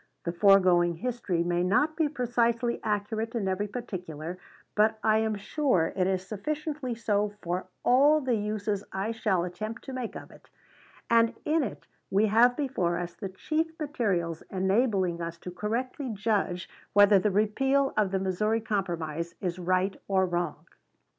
The foregoing history may not be precisely accurate in every particular; but I am sure it is sufficiently so for all the uses I shall attempt to make of it, and in it we have before us the chief materials enabling us to correctly judge whether the repeal of the Missouri Compromise is right or wrong.